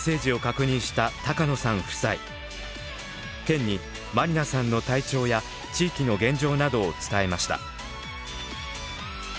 県に麻里奈さんの体調や地域の現状などを伝えました。